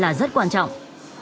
là rất quan trọng